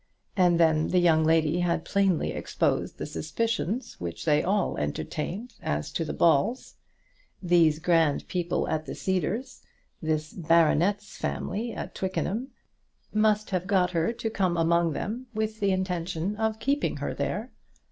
And then the young lady had plainly exposed the suspicions which they all entertained as to the Balls. These grand people at the Cedars, this baronet's family at Twickenham, must have got her to come among them with the intention of keeping her there.